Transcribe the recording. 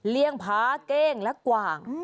ลีงผาเก้งและกว่าง